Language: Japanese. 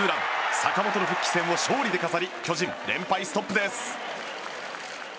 坂本の復帰戦を勝利で飾り巨人、連敗ストップです。